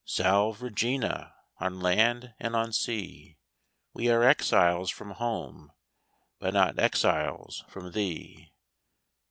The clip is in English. Salve Regina, On land and on sea. We are exiles from home. But not exiles from thee.